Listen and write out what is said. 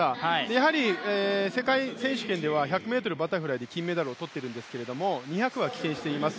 やはり世界選手権では１００ｍバタフライで金メダルを取っているんですけど２００は棄権しています。